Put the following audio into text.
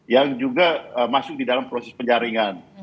yang juga masuk di dalam proses penjaringan